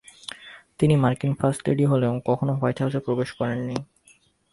তিনি মার্কিন first lady হলেও কখনোই হোয়াইট হাউজে প্রবেশ করেননি।